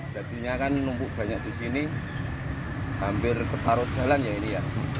jadinya kan numpuk banyak di sini hampir separuh jalan ya ini ya